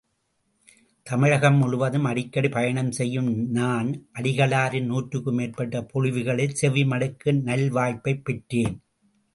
தமிழகம் முழுவதும் அடிக்கடி பயணம் செய்யும் நான் அடிகளாரின் நூற்றுக்கு மேற்பட்ட பொழிவுகளைச் செவிமடுக்கும் நல்வாய்ப்பைப் பெற்றேன்.